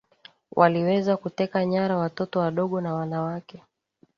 Waliweza kuteka nyara watoto wadogo na wanawake